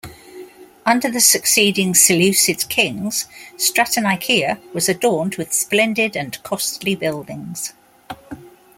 Under the succeeding Seleucid kings, Stratonikeia was adorned with splendid and costly buildings.